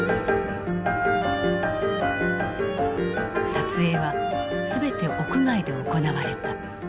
撮影はすべて屋外で行われた。